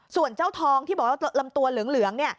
ส่วนเจ้าทองที่แบบระมตัวเหลือง